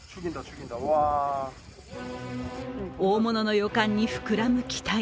大物の予感に膨らむ期待。